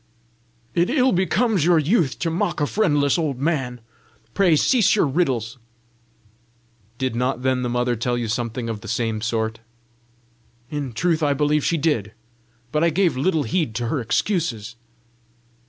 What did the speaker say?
"It ill becomes your youth to mock a friendless old man. Pray, cease your riddles!" "Did not then the Mother tell you something of the same sort?" "In truth I believe she did; but I gave little heed to her excuses."